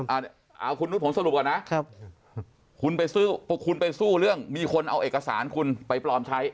เอาคุณนุ๊ดผมสรุปก่อนนะคุณไปสู้เรื่องมีคนเอาเอกสารคุณไปปลอมใช้